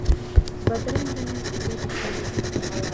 بدرنګه نیت بدې پایلې لري